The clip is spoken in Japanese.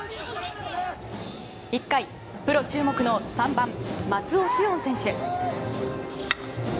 １回、プロ注目の３番、松尾汐恩選手。